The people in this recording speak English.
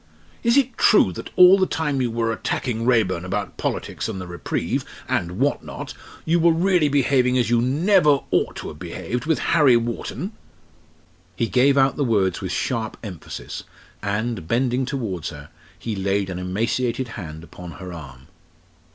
Is it true that all the time you were attacking Raeburn about politics and the reprieve, and what not, you were really behaving as you never ought to have behaved, with Harry Wharton?" He gave out the words with sharp emphasis, and, bending towards her, he laid an emaciated hand upon her arm.